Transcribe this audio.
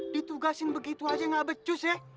ditugasin begitu aja gak becus ya